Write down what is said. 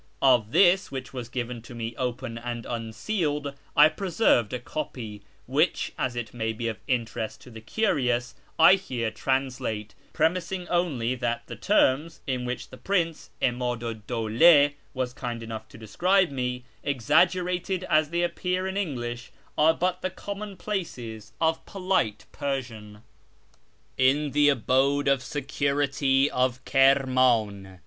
Of this, which was given to me open and unsealed, I preserved a copy, which, as it may be of interest to the curious, I here translate, premising only that the terms in which Prince Imadu'd Dawla was kind enough to describe me, exaggerated as they appear in English, are but the commonplaces of polite Persian. 4i6 A Y'EAR AMONGST THE PERSIANS ^' In the Abode of Sccnrihj of KirmXx.